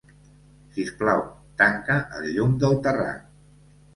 Sisplau, tanca el llum del terrat.